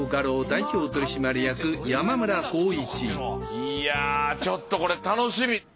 いやぁちょっとこれ楽しみ。